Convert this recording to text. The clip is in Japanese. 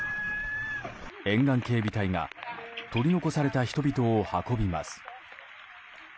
沿岸警備隊が取り残された人々を運びます。